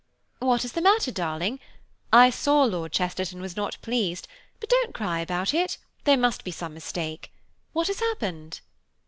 "What is the matter, darling? I saw Lord Chesterton was not pleased, but don't cry about it–there must be some mistake. What has happened?"